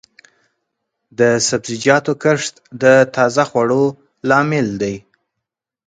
د سبزیجاتو کښت د تازه خوړو لامل دی.